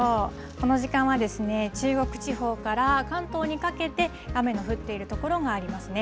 この時間は中国地方から関東にかけて、雨の降っている所がありますね。